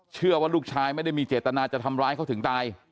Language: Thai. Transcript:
เชื่อว่าลูกชายไม่ได้มีเจตนาจะทำร้ายเขาถึงตาย